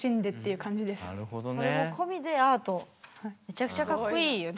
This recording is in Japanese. めちゃくちゃかっこいいよ。